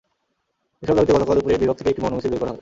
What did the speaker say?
এসব দাবিতে গতকাল দুপুরে বিভাগ থেকে একটি মৌন মিছিল বের করা হয়।